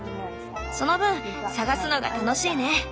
その分探すのが楽しいね。